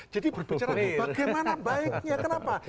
jadi berbicara nih bagaimana baiknya kenapa